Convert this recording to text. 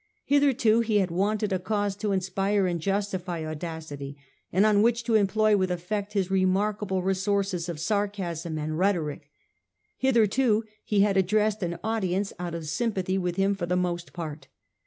Hitherto he had wanted a cause to inspire and justify audacity, and on which to employ with effect his re markable resources of sarcasm and rhetoric. Hitherto he had addressed an audience out of sympathy with him for the most part.